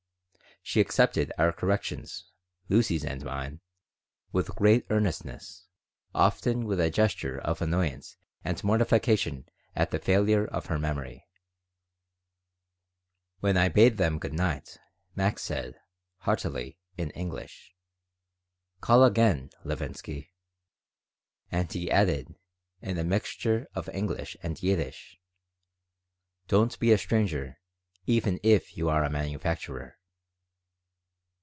She accepted our corrections, Lucy's and mine, with great earnestness, often with a gesture of annoyance and mortification at the failure of her memory When I bade them good night Max said, heartily, in English, "Call again, Levinsky." And he added, in a mixture of English and Yiddish, "Don't be a stranger, even if you are a manufacturer."